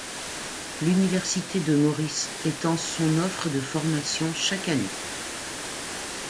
L'Université de Maurice étend son offre de formation chaque année.